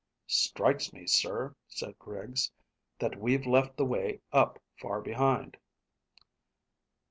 "Strikes me, sir," said Griggs, "that we've left the way up far behind."